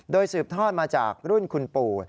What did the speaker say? โดยสืบทอดมาจากรุ่นคุณปู่